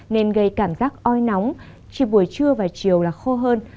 nên gây cảm giác oi nóng chỉ buổi trưa và chiều là khô hơn